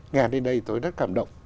nghe đến đây tôi rất cảm động